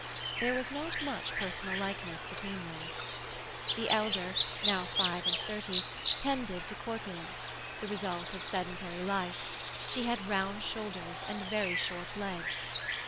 There was not much personal likeness between them. The elder (now five and thirty) tended to corpulence, the result of sedentary life; she had round shoulders and very short legs.